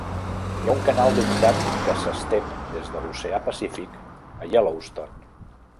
Hi ha un canal d’humitat que s’estén des de l’oceà Pacífic a Yellowstone.